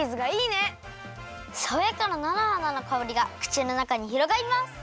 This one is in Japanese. さわやかななのはなのかおりがくちのなかにひろがります！